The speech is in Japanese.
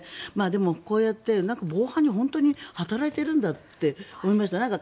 でも、こうやって防犯に本当に働いているんだって思いました。